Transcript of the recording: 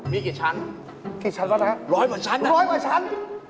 มีกี่ชั้นร้อยหมดชั้นร้อยหมดชั้น